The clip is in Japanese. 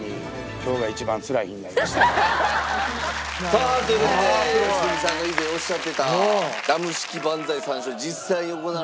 さあという事で良純さんが以前おっしゃってたダム式万歳三唱実際に行われてましたけども。